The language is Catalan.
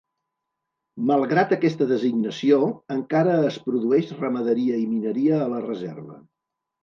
Malgrat aquesta designació, encara es produeix ramaderia i mineria a la Reserva.